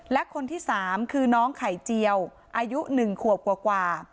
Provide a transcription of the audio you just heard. และคนที่๓คือน้องไข่เจียวอายุ๑ขวบกว่า